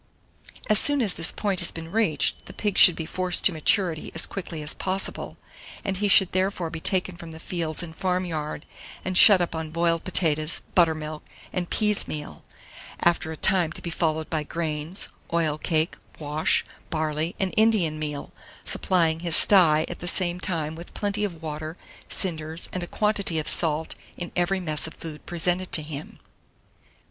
As soon as this point has been reached, the pig should be forced to maturity as quickly as possible; he should therefore be taken from the fields and farm yard, and shut up on boiled potatoes, buttermilk, and peas meal, after a time to be followed by grains, oil cake, wash, barley, and Indian meal; supplying his sty at the same time with plenty of water, cinders, and a quantity of salt in every mess of food presented to him.